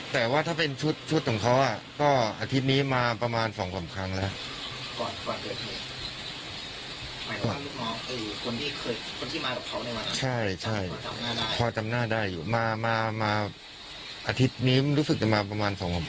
แต่ว่าถ้าเป็นชุดของเขาก็อาทิตย์นี้มาประมาณ๒๓ครั้งแล้ว